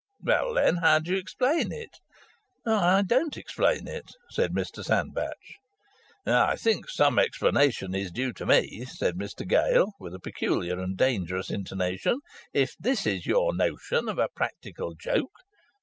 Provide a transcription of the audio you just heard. "Well, then, how do you explain it?" "I don't explain it," said Mr Sandbach. "I think some explanation is due to me," said Mr Gale, with a peculiar and dangerous intonation. "If this is your notion of a practical joke."